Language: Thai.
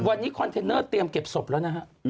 วันนี้คอนเทนเนอร์เตรียมเก็บศพแล้วนะฮะ